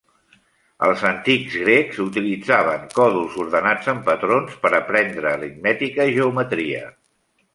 Els antics grecs utilitzaven còdols ordenats en patrons per aprendre aritmètica i geometria.